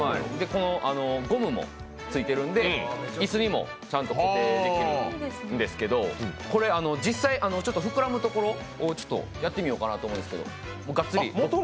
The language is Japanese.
ゴムもついているので椅子にも固定できるんですけど実際、ちょっと膨らむところをやってみようかなと思うんですけど、ガッツリ。